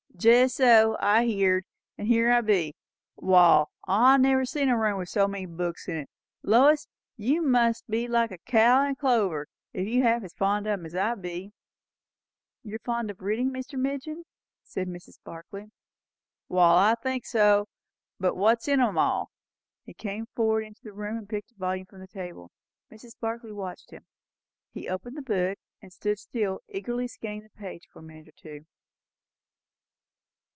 "Jest so. I heerd. And here I be. Wall, I never see a room with so many books in it! Lois, you must be like a cow in clover, if you're half as fond of 'em as I be." "You are fond of reading, Mr. Midgin?" said Mrs. Barclay. "Wall, I think so. But what's in 'em all?" He came a step further into the room and picked up a volume from the table. Mrs. Barclay watched him. He opened the book, and stood still, eagerly scanning the page, for a minute or two.